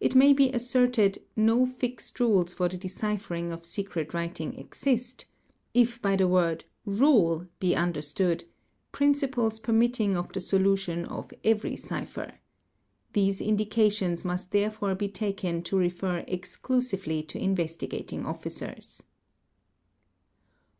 It may be asserted "no fixed — rules for the deciphering of secret writing exist'', if by the word ''rule" be understood, "' principles permitting of the solution of every cipher" these indications must therefore be taken to refer exclusively to Investi _ gating Officers.